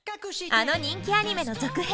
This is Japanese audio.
あの人気アニメの続編